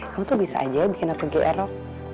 kamu tuh bisa aja bikin aku gr rok